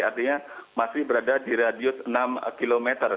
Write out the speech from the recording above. artinya masih berada di radius enam km